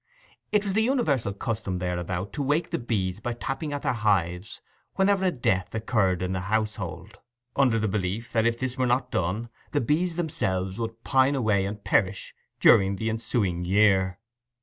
It was the universal custom thereabout to wake the bees by tapping at their hives whenever a death occurred in the household, under the belief that if this were not done the bees themselves would pine away and perish during the ensuing year.